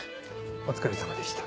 お疲れさまでした。